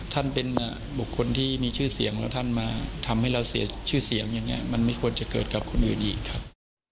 ท่านเป็นบุคคลที่มีชื่อเสียงแล้วท่านมาทำให้เราเสียชื่อเสียงอย่างนี้มันไม่ควรจะเกิดกับคนอื่นอีกครับ